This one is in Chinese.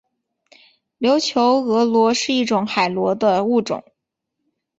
琉球峨螺是一种海螺的物种。